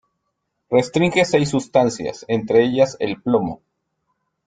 Restringe seis sustancias, entre ellas el plomo.